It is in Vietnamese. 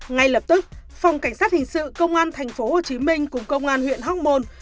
ngay lập tức phòng cảnh sát hình sự công an tp hcm cùng công an huyện hoc mon